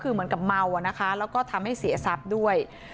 เหมือนกับเมาและทำให้เสียสับด้วย